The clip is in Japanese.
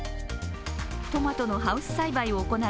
トマトのハウス栽培を行う